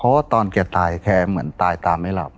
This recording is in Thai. เพราะว่าตอนแกตายแกเหมือนตายตาไม่หลับ